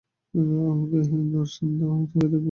আমাকে দর্শন দাও, আমি তোমাকে দেখব।